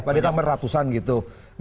padahal ada ratusan gitu